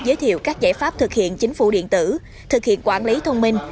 giới thiệu các giải pháp thực hiện chính phủ điện tử thực hiện quản lý thông minh